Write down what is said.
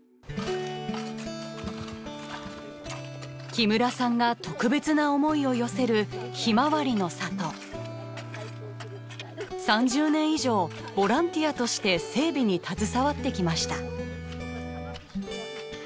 木村さんが特別な思いを寄せる３０年以上ボランティアとして整備に携わってきました。